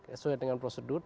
sesuai dengan prosedur